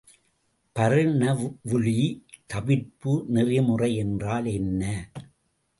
பர்னவுலி தவிர்ப்பு நெறிமுறை என்றால் என்ன?